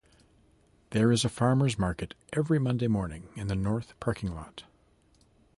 There is a farmers' market every Monday morning in the north parking lot.